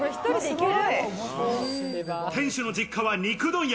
店主の実家は肉問屋。